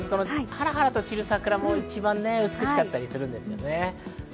ハラハラと散る桜も一番美しかったりするんですよね。